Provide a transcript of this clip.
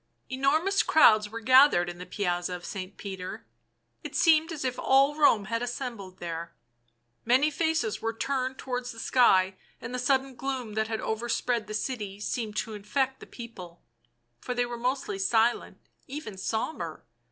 Enormous crowds were gathered in the Piazza of St. Peter ; it seemed as if all Rome had assembled there ; many faces were turned towards the sky, and the sudden gloom that had overspread the city seemed to infect the people, for they were mostly silent, even sombre.